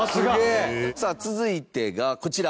高橋：さあ、続いてが、こちら。